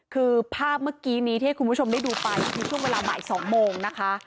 คือภาพเมื่อกี้นี้ที่ให้คุณผู้ชมได้ดูไปคือช่วงเวลาบ่าย๒โมงนะคะ